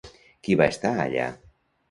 Qui va estar allà?